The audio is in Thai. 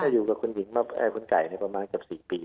อยู่กับคุณผิวไก่ในประมาณกับ๔ปี